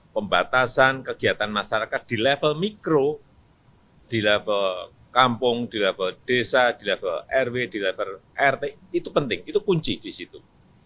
pembatasan kegiatan masyarakat di level mikro di level kampung di level desa di level rw di level rt itu penting itu kunci di situ